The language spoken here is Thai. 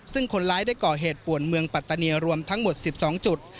ซึ่งคนร้ายได้ก่อเหตุป่วนเมืองปัตตาเนียรวมทั้งหมด๑๒จุด